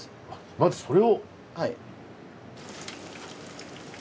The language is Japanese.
まずそれを。